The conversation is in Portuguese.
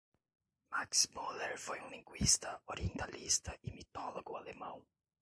Max Müller foi um linguista, orientalista e mitólogo alemão.